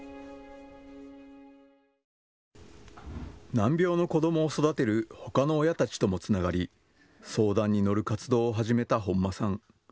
難病の子どもを育てるほかの親たちともつながり相談に乗る活動を始めた本間さん。